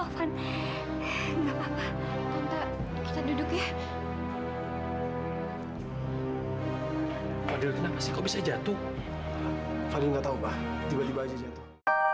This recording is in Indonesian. fadil gak tau mbak tiba tiba aja jatuh